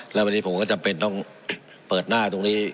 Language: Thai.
แล้ววันนี้ผมก็จำเป็นต้องเปิดหน้าตรงนี้